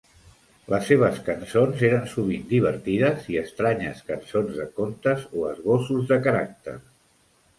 Les seves cançons eren sovint divertides i estranyes cançons de contes o esbossos de caràcters.